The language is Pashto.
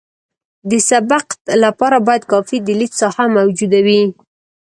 د سبقت لپاره باید کافي د لید ساحه موجوده وي